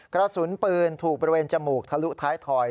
กระสุนปืนถูกบริเวณจมูกทะลุท้ายถอย